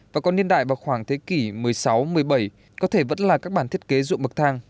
và còn niên đại vào khoảng thế kỷ một mươi sáu một mươi bảy có thể vẫn là các bản thiết kế ruộng bậc thang